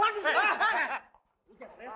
kamu balikin kagak duit gue